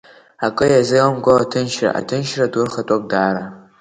Акы иазеиламго аҭынчра, аҭынчра ду рхатәоуп дара.